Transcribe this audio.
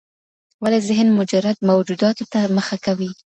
ولي ذهن مجرد موجوداتو ته مخه کوي؟